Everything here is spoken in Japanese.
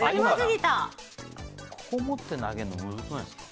ここ持って投げるのむずくないですか？